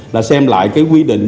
là xem lại cái quy định